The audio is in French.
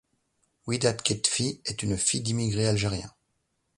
Widad Ketfi est une fille d'immigrés algériens.